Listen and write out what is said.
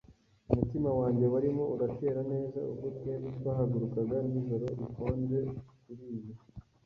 Umutima wanjye warimo uratera neza ubwo twembi twahagurukaga nijoro rikonje kuriyi